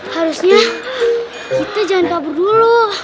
harusnya kita jangan kabur dulu